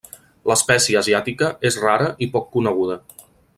L'espècie asiàtica és rara i poc coneguda.